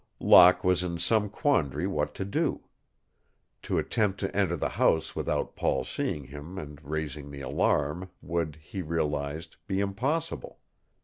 Locke was in some quandary what to do. To attempt to enter the house without Paul's seeing him and raising the alarm would, he realized, be impossible.